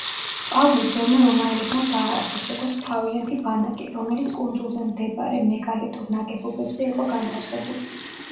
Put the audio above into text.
პალმა ძველმა რომაელებმა დააარსეს როგორც თავიანთი ბანაკი, რომელიც კუნძულზე მდებარე მეგალითურ ნაგებობებზე იყო განთავსებული.